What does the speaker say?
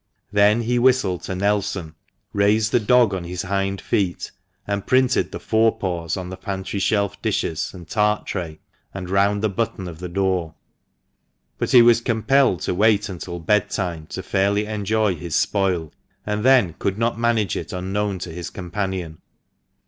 Then he whistled to Nelson, raised the dog on his hind feet, and printed the forepaws on the pantry shelf, dishes, and tart tray, and round the button of the door. But he was compelled to wait until bedtime to fairly enjoy his spoil, and then could not manage it unknown to his companion.